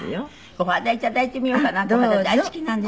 コハダ頂いてみようかなコハダ大好きなんで。